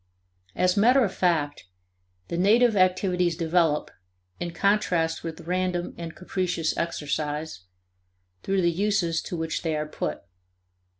As matter of fact, the native activities develop, in contrast with random and capricious exercise, through the uses to which they are put.